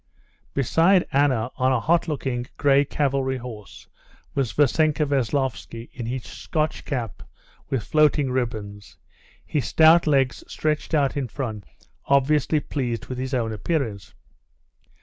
Beside Anna, on a hot looking gray cavalry horse, was Vassenka Veslovsky in his Scotch cap with floating ribbons, his stout legs stretched out in front, obviously pleased with his own appearance.